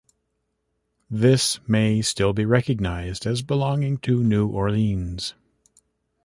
This may still be recognized as belonging to New Orleans.